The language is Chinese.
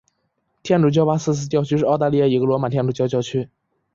天主教巴瑟斯特教区是澳大利亚一个罗马天主教教区。